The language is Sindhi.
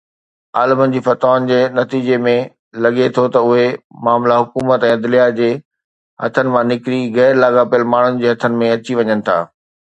عالمن جي فتوائن جي نتيجي ۾ لڳي ٿو ته اهي معاملا حڪومت ۽ عدليه جي هٿن مان نڪري غير لاڳاپيل ماڻهن جي هٿن ۾ اچي وڃن ٿا.